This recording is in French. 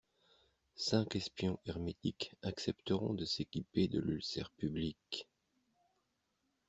Cinq espions hermétiques accepteront de s'équiper de l'ulcère public.